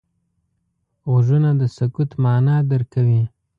غوږونه د سکوت معنا درک کوي